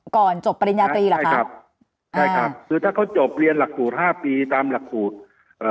จบปริญญาตรีเหรอคะครับใช่ครับคือถ้าเขาจบเรียนหลักสูตรห้าปีตามหลักสูตรเอ่อ